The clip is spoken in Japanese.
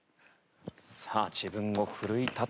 さあ自分を奮い立たせる。